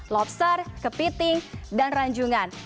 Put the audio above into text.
lopser kepiting dan ranjungan